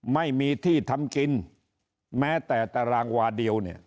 ไม่มีที่ทำกินแม้แต่ตารางวาเดียวเนี่ย